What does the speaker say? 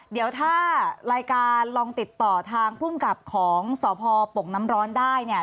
เดี๋ยวถ้ารายการลองติดต่อทางภูมิกับของสพปกน้ำร้อนได้เนี่ย